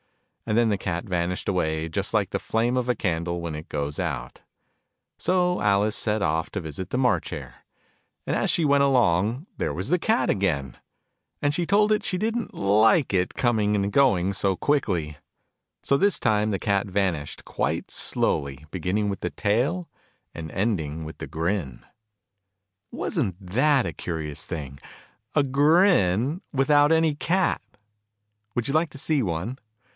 And then the Cat vanished away, just like the flame of a candle when it goes out ! So Alice set off, to visit the March Hare. And as she went along, there was the Cat again ! And she told it she didn't like it corning and going so quickly. Digitized by Google THE NURSERY 36 " ALICE." So this time the Cat vanished quite slowly, beginning w'ith the tail, and ending with the grin. Wasn't that a curious thing, a Grin without any Cat ? Would you like to see one